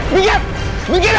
minggir minggir ah